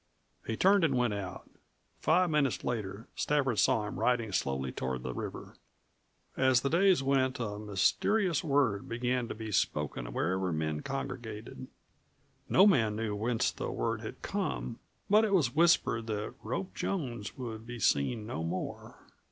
He turned and went out. Five minutes later Stafford saw him riding slowly toward the river. As the days went a mysterious word began to be spoken wherever men congregated. No man knew whence the word had come, but it was whispered that Rope Jones would be seen no more.